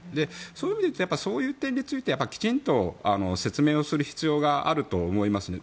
そういう意味でいうとそういう点できちんと説明をする必要があると思いますね。